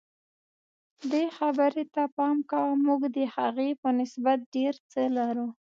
دې خبرې ته پام کوه موږ د هغې په نسبت ډېر څه لرو.